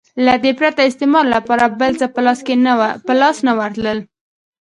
له دې پرته استعمار لپاره بل څه په لاس نه ورتلل.